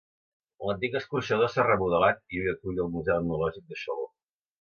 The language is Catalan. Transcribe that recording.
L'antic escorxador s'ha remodelat i hui acull el Museu Etnològic de Xaló.